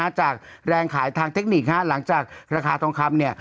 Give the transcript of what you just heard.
จากแรงขายทางเทคนิคหลังจากราคาทองคำเนี่ย